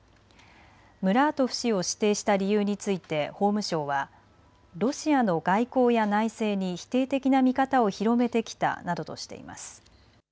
ムラートフ氏を指定した理由について法務省はロシアの外交や内政に否定的な見方を広めてきたなどとしています。